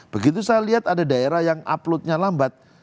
begitu saya lihat ada daerah yang uploadnya lambat